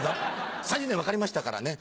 「３０年分かりましたからね」。